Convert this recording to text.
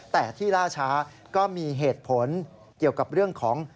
แต่ที่ล่าช้าก็มีเหตุผลเกี่ยวกับเรื่องของ